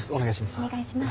お願いします。